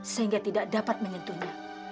sehingga tidak dapat menyentuhnya